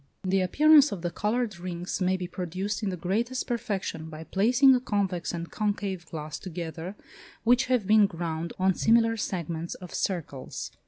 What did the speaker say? The appearance of the coloured rings may be produced in the greatest perfection by placing a convex and concave glass together which have been ground on similar segments of circles.